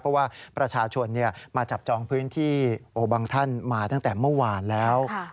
เพราะว่าประชาชนมาจับจองพื้นที่บางท่านมาตั้งแต่เมื่อวานแล้ว